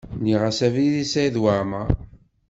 Mliɣ-as abrid i Saɛid Waɛmaṛ.